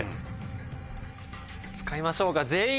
使いましょうか。